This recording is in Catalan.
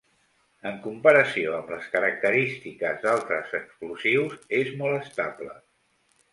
En comparació amb les característiques d'altres explosius és molt estable.